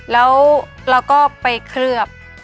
แล้วเราก็ไปเคลือบ